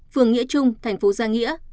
phường nghĩa trung thành phố gia nghĩa